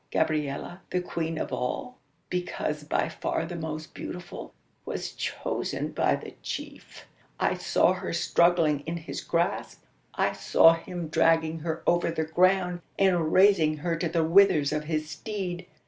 Gabriella, the queen of all, because by far the most beautiful was chosen by the chief. I saw her struggling in his grasp, I saw him dragging her over the ground, and raising her to the withers of his steed.